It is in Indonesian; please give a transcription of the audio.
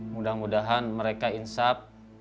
mudah mudahan mereka insap